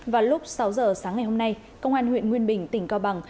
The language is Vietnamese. vào lúc sáu giờ sáng ngày hôm nay công an huyện nguyên bình tỉnh cao bằng